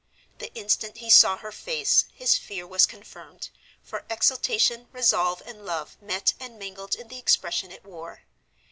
The instant he saw her face his fear was confirmed, for exultation, resolve, and love met and mingled in the expression it wore.